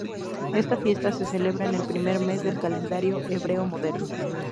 Esta fiesta se celebra en el primer mes del calendario hebreo moderno.